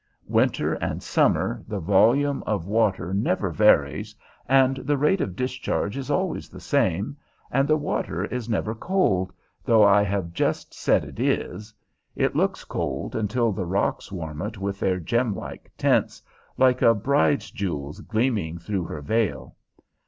Winter and summer the volume of water never varies, and the rate of discharge is always the same, and the water is never cold, though I have just said it is. It looks cold until the rocks warm it with their gemlike tints, like a bride's jewels gleaming through her veil.